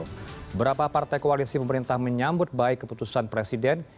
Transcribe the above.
beberapa partai koalisi pemerintah menyambut baik keputusan presiden